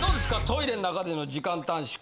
トイレん中での時間短縮。